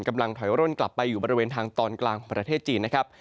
กำลังถอยร่นกลับไปอยู่บริเวณทางตอนกลางของประเทศจีนนะครับ